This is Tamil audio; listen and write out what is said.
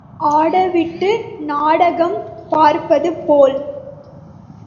ஆடவிட்டு நாடகம் பார்ப்பது போல்.